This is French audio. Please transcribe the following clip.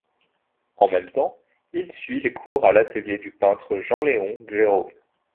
En même temps il suit les cours à l'atelier du peintre Jean-Léon Gérôme.